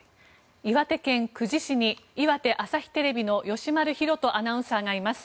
岩手県久慈市に岩手朝日テレビの吉丸広人アナウンサーがいます。